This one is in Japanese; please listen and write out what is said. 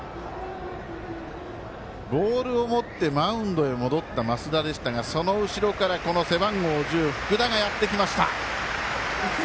ボールを持ってマウンドに戻った増田でしたがその後ろから背番号１０、福田がやってきました。